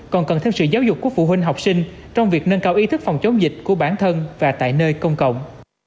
còn cần thêm sự giáo dục của phụ huynh học sinh trong việc nâng cao ý thức phòng chống dịch của bản thân và tại nơi công cộng